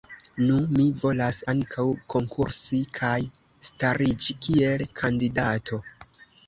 Nu mi volas ankaŭ konkursi kaj stariĝi kiel kandidato.